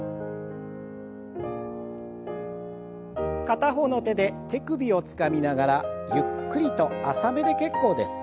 片方の手で手首をつかみながらゆっくりと浅めで結構です。